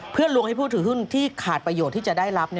เพื่อลวงให้ผู้ถือหุ้นที่ขาดประโยชน์ที่จะได้รับ